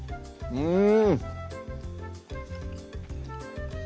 うん！